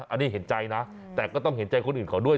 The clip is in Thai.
อันนี้เห็นใจนะแต่ก็ต้องเห็นใจคนอื่นเขาด้วย